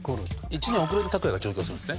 １年遅れて卓弥が上京するんですね。